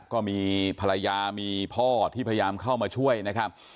ก็มีภรรยามีพ่อที่พยายามเข้ามาช่วยนะครับ